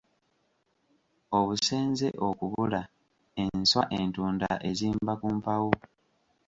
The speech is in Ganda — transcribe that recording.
Obusenze okubula, enswa entunda ezimba ku mpawu.